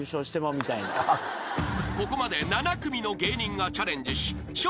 ［ここまで７組の芸人がチャレンジし笑